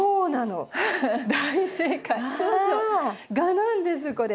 蛾なんですこれ。